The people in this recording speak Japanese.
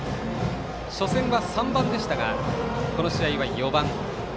初戦は３番でしたがこの試合は４番。